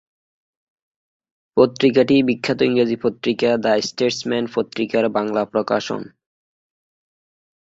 পত্রিকাটি বিখ্যাত ইংরেজি পত্রিকা দ্য স্টেটসম্যান পত্রিকার বাংলা প্রকাশন।